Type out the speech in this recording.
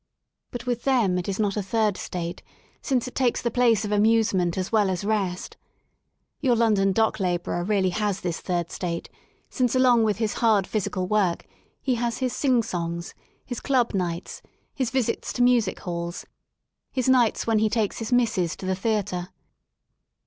But with them it is not a third state, since it takes the place of amusement as well as rest. Your London dock labourer really has this third state, since along with his hard physical work 123 ^ THE SOUL OF LONDON i he has his sing songs, his club nights, his »visits to I music halls, his nights when he takes his missus" to the i theatre.